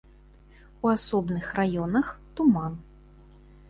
У асобных раёнах туман.